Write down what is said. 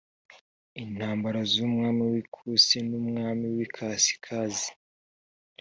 intambara z’umwami w’ikusi n’umwami w’ikasikazi